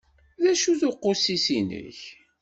D acu-t uqusis-inek?